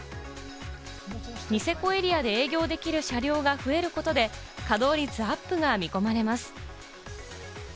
ニセコエリアで営業できる車両が増えることで、稼働率アップが見込まれます。